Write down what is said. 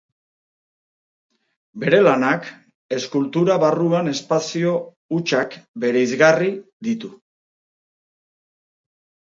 Bere lanak eskultura barruan espazio hutsak bereizgarri ditu.